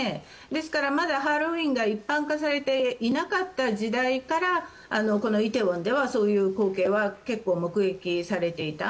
ですから、まだハロウィーンが一般化されていなかった時代からこの梨泰院ではそういう光景は結構、目撃されていた。